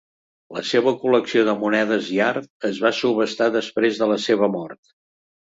La seva col·lecció de monedes i art es va subhastar després de la seva mort.